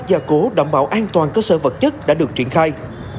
cơ sở gia cố đảm bảo an toàn cơ sở vật chất đã được triển khai